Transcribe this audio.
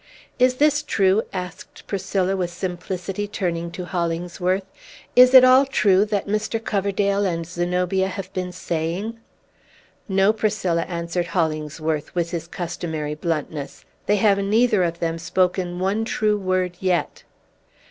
"Is this true?" asked Priscilla with simplicity, turning to Hollingsworth. "Is it all true, that Mr. Coverdale and Zenobia have been saying?" "No, Priscilla!" answered Hollingsworth with his customary bluntness. "They have neither of them spoken one true word yet."